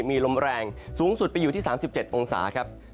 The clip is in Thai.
มีลมแรงสูงสุดไปอยู่ที่๓๗องศาครับ